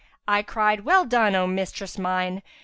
I cried: 'Well done, O mistress mine!